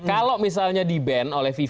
kalau misalnya di ban oleh fifa